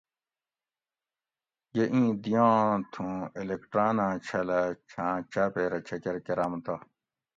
یہ ایں دیاں تھوں الیکٹراناں چھلہ چھاں چاپیرہ چکر کۤرم تہ